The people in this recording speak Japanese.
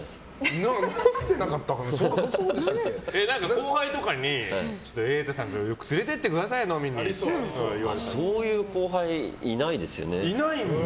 後輩とかに瑛太さん連れてってくださいよそういう後輩いないですね。